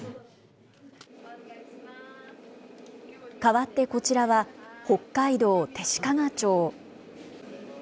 かわってこちらは、北海道弟子屈町。